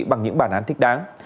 bằng những bản án thích đáng